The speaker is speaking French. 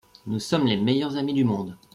Nous sommes les meilleurs amis du monde.